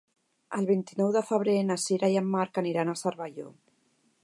El vint-i-nou de febrer na Sira i en Marc aniran a Cervelló.